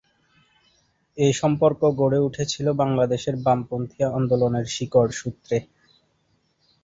এ সম্পর্ক গড়ে উঠেছিল বাংলাদেশের বামপন্থী আন্দোলনের শিকড়সূত্রে।